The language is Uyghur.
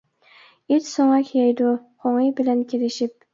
ئىت سۆڭەك يەيدۇ قوڭى بىلەن كېلىشىپ.